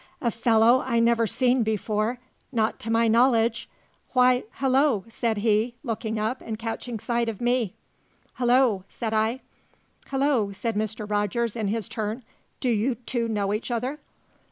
"A fellow I never seen before, not to my knowledge! Why hallo!" said he, looking up and catching sight of me. "Hallo!" said I. "Hallo!" said Mr. Rogers, in his turn. "Do you two know each other?"